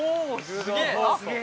・すげえ！